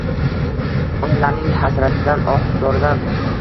Onalarning hasratidan, oh-zoridan